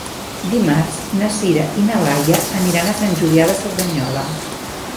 Dimarts na Sira i na Laia aniran a Sant Julià de Cerdanyola.